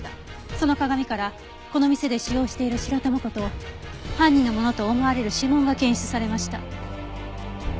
その鏡からこの店で使用している白玉粉と犯人のものと思われる指紋が検出されました。